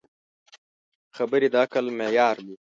خبرې د عقل معیار دي.